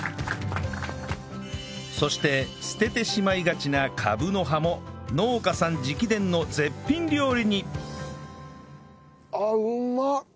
そして捨ててしまいがちなカブの葉も農家さん直伝の絶品料理に！